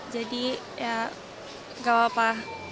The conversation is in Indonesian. jadi ya gak apa apa